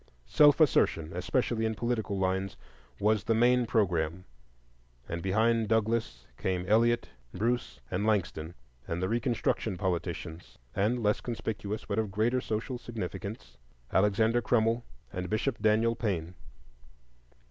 Self assertion, especially in political lines, was the main programme, and behind Douglass came Elliot, Bruce, and Langston, and the Reconstruction politicians, and, less conspicuous but of greater social significance, Alexander Crummell and Bishop Daniel Payne.